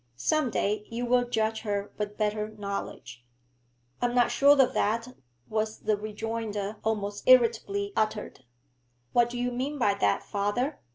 Some day you will judge her with better knowledge.' 'I am not sure of that,' was the rejoinder, almost irritably uttered. 'What do you mean by that, father?'